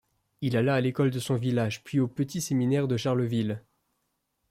Il alla à l'école de son village puis au petit séminaire de Charleville.